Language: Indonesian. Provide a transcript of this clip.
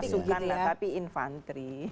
masukkan lah tapi infanteri